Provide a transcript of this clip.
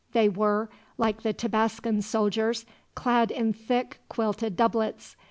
They were, like the Tabascan soldiers, clad in thick quilted doublets.